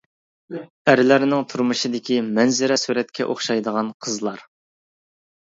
ئەرلەرنىڭ تۇرمۇشىدىكى مەنزىرە سۈرەتكە ئوخشايدىغان قىزلار.